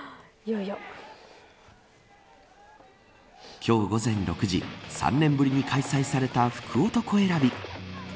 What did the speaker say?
今日午前６時３年ぶりに開催された福男選び。